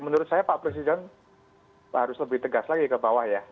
menurut saya pak presiden harus lebih tegas lagi ke bawah ya